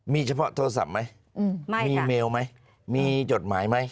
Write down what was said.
มีเฉพาะโทรศัพท์ไหมมีเมลไหมมีจดหมายไหม